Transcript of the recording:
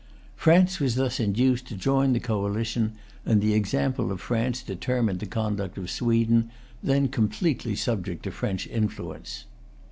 France was thus induced to join the coalition; and the example of France determined the conduct of Sweden, then completely subject to French influence.